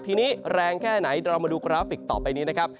ทีนี้แรงแค่ไหนเรามาดูกราฟิกต่อไปนี้นะครับ